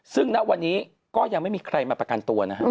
ซึ่งอนาคารวันนี้ก็ยังไม่มีใครมาประกันตัวนะครับ